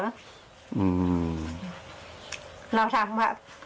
เราทำว่า